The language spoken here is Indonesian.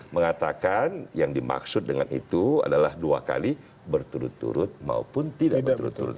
mengatakan yang dimaksud dengan itu adalah dua kali berturut turut maupun tidak berturut turut